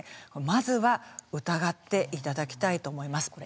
まずは疑っていただきたいと思います。